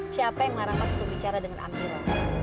siapa yang larang mas untuk bicara dengan amira